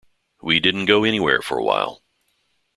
We didn't go anywhere for a while.